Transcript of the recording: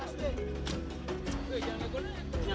bisa berpengalaman ribuan